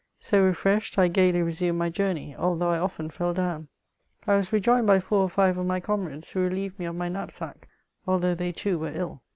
So refreshed, I gaily resumed my journey, although I often fell down. I was rejoined by four or five of my comrades, who relieved me of my knapsack ; although they, too, were ill.